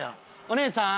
お姉さん。